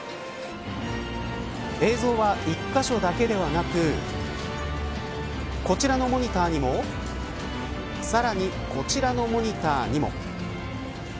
映像は、１カ所だけではなくこちらのモニターにもさらに、こちらのモニターにも。